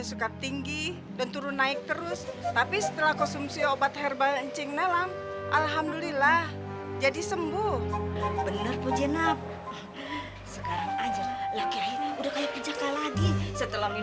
suka tinggi dan turun naik terus tapi setelah konsumsi obat herbal cing nelan alhamdulillah